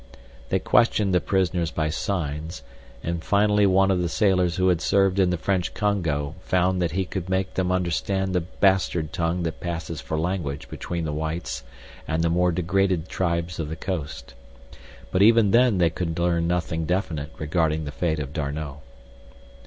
They questioned the prisoners by signs, and finally one of the sailors who had served in the French Congo found that he could make them understand the bastard tongue that passes for language between the whites and the more degraded tribes of the coast, but even then they could learn nothing definite regarding the fate of D'Arnot.